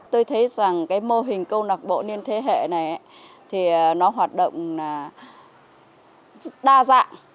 tôi thấy rằng cái mô hình câu lạc bộ niên thế hệ này thì nó hoạt động đa dạng